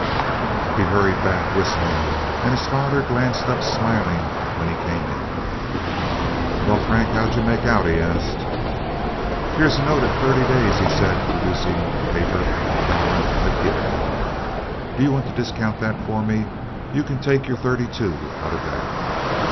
He hurried back, whistling; and his father glanced up smiling when he came in. "Well, Frank, how'd you make out?" he asked. "Here's a note at thirty days," he said, producing the paper Dalrymple had given him. "Do you want to discount that for me? You can take your thirty two out of that."